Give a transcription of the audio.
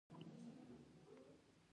مينه درسره لرم.